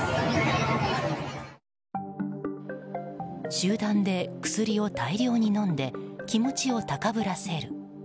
集団で薬を大量に飲んで気持ちを高ぶらせる。